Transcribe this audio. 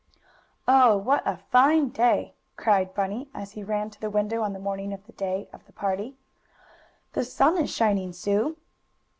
"Oh, what a fine day!" cried Bunny, as he ran to the window on the morning of the day of the party. "The sun is shining, Sue!"